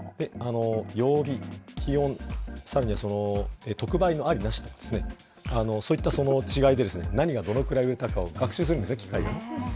曜日、気温、さらには特売のあり、なしと、そういった違いで何がどのくらい売れたかを学習するんですね、機械が。